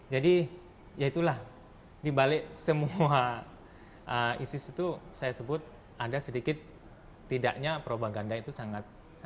jadi yaitulah dibalik semua isis itu saya sebut ada sedikit tidaknya propaganda itu sangat